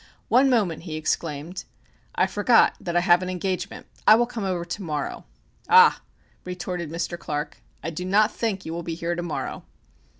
"One moment," he exclaimed. "I forgot that I have an engagement. I will come over to morrow." "Ah!" retorted Mr. Clark, "I do not think you will be here to morrow."